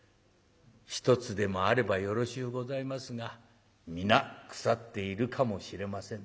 一つでもあればよろしゅうございますが皆腐っているかもしれません」。